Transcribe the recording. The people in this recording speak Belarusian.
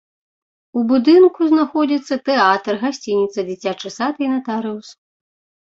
У будынку знаходзяцца тэатр, гасцініца, дзіцячы сад і натарыус.